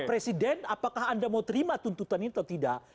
presiden apakah anda mau terima tuntutan ini atau tidak